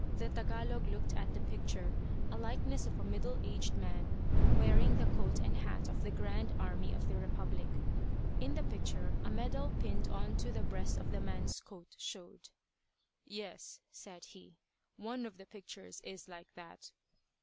The Tagalog looked at the picture, a likeness of a middle aged man wearing the coat and hat of the Grand Army of the Republic. In the picture a medal pinned on to the breast of the man's coat showed. "Yes," said he, "one of the pictures is like that."